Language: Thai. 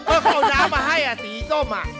เอ่อเอาน้ำมาให้นะสีส้ม